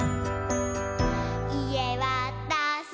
「いえわたし！」